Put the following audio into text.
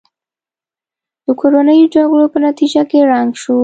د کورنیو جګړو په نتیجه کې ړنګ شو.